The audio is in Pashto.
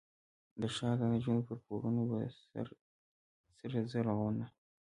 د ښار دنجونو پر پوړونو به، سره زرغونه،